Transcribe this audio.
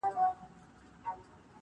ما یې د جلال او د جمال نښي لیدلي دي,